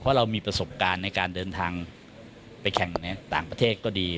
เพราะเรามีประสบการณ์ในการเดินทางไปแข่งในต่างประเทศก็ดี